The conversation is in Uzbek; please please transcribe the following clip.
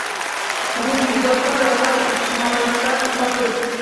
– Bugungi ijodkor yoshlar ijtimoiylikdan qochib